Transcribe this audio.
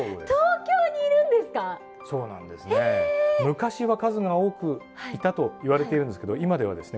昔は数が多くいたといわれているんですけど今ではですね